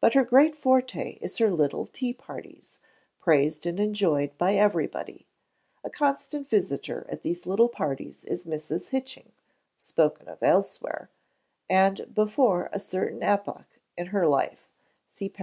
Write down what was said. But her great forte is her little tea parties praised and enjoyed by everybody. A constant visitor at these little parties is Mrs. Hitching (spoken of elsewhere), and before a certain epoch in her life (_See par.